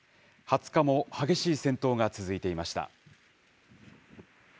２０日も激しい戦闘が続いていました。